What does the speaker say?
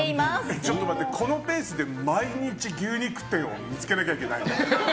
ちょっと待ってこのペースで毎日牛肉店を見つけなきゃいけないの？